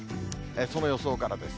その予想からです。